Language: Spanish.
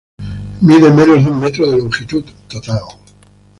Mide menos de un metro de longitud total.